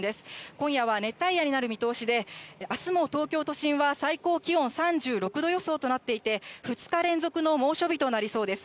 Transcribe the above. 今夜は熱帯夜になる見通しで、あすも東京都心は、最高気温３６度予想となっていて、２日連続の猛暑日となりそうです。